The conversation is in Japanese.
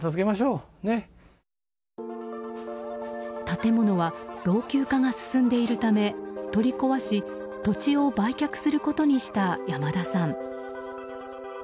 建物は老朽化が進んでいるため取り壊し土地を売却することにした山田さん。